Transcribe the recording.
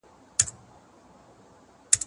زه مخکي خبري کړي وو؟!